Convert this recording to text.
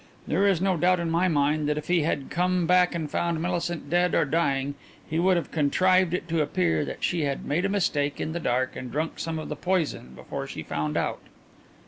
There is no doubt in my mind that if he had come back and found Millicent dead or dying he would have contrived it to appear that she had made a mistake in the dark and drunk some of the poison before she found out."